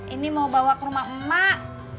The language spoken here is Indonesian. ini mau bawa ke rumah emak emak